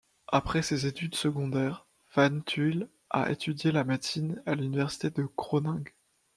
Après ses études secondaires, van Tuyll a étudié la médecine à l'Université de Groningue.